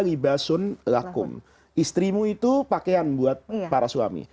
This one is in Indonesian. istrimu itu pakaian buat para suami